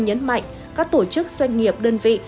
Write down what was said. nhấn mạnh các tổ chức doanh nghiệp đơn vị